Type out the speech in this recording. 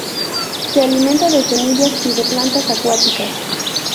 Se alimenta de semillas y de plantas acuáticas.